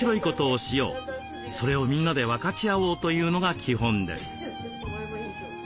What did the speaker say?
それをみんなで分かち合おうというのが基本です。